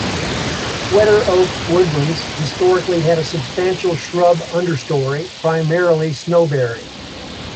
Wetter oak woodlands historically had a substantial shrub understory, primarily snowberry.